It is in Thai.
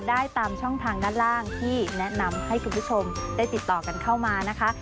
ได้ตามช่องทางด้านล่างที่แนะนำให้คุณผู้ชมได้ติดต่อกันเข้ามานะคะ